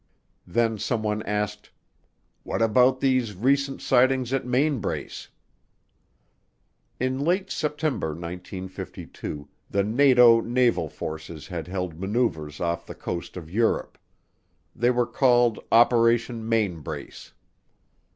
Then someone asked, "What about these recent sightings at Mainbrace?" In late September 1952 the NATO naval forces had held maneuvers off the coast of Europe; they were called Operation Mainbrace.